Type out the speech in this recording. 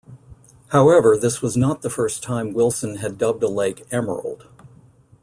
However, this was not the first time Wilson had dubbed a lake 'Emerald'.